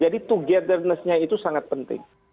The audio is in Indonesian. jadi togethernessnya itu sangat penting